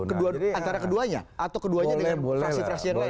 antara keduanya atau keduanya dengan fraksi fraksi yang lain